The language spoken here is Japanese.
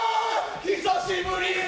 久しぶりー！